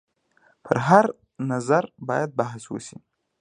پر هر نظر باید بحث وشي.